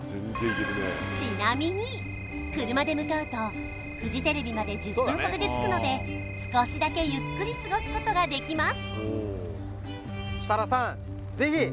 ちなみに車で向かうとフジテレビまで１０分ほどで着くので少しだけゆっくり過ごすことができます